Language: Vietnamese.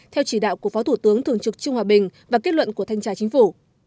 theo chỉ đạo của phó thủ tướng thường trực trung hòa bình và kết luận của thanh tra chính phủ